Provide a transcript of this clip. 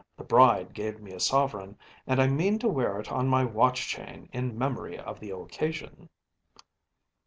The bride gave me a sovereign, and I mean to wear it on my watch chain in memory of the occasion.